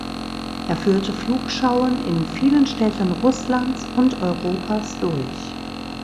Er führte Flugschauen in vielen Städten Russlands und Europas durch.